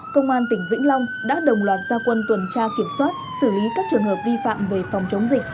công an tỉnh vĩnh long đã đồng loạt gia quân tuần tra kiểm soát xử lý các trường hợp vi phạm về phòng chống dịch